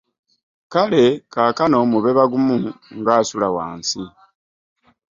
Kale kaakano mube bagumu ng'asula wansi.